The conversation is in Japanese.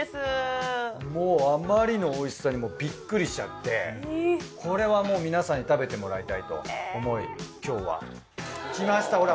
もうあまりのおいしさにビックリしちゃってこれはもう皆さんに食べてもらいたいと思い今日はきました